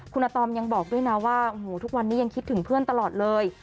คุณอาตอมยังบอกด้วยนะว่าโอ้โหทุกวันนี้ยังคิดถึงเพื่อนตลอดเลย